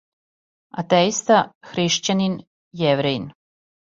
Атеиста, хришћанин, јеврејин.